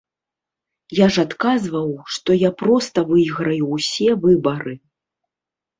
Я ж адказваў, што я проста выйграю ўсе выбары.